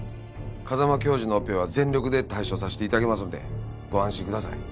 風間教授のオペは全力で対処させて頂きますのでご安心ください。